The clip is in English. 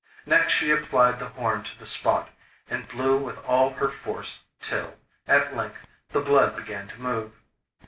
Next she applied the horn to the spot and blew with all her force till, at length, the blood began to move.